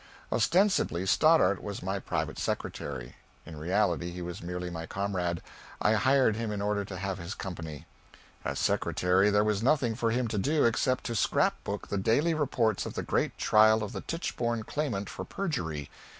Ostensibly Stoddard was my private secretary; in reality he was merely my comrade I hired him in order to have his company. As secretary there was nothing for him to do except to scrap book the daily reports of the great trial of the Tichborne Claimant for perjury.